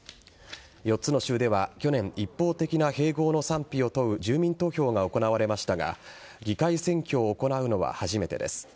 ４つの州では去年一方的な併合の賛否を問う住民投票が行われましたが議会選挙を行うのは初めてです。